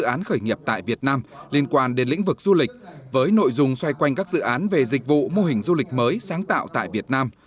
các dự án khởi nghiệp tại việt nam liên quan đến lĩnh vực du lịch với nội dung xoay quanh các dự án về dịch vụ mô hình du lịch mới sáng tạo tại việt nam